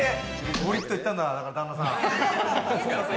ゴリっといったんだ旦那さん。